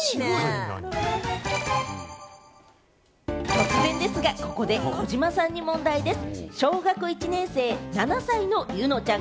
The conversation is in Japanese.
突然ですが、ここで児嶋さんに問題でぃす。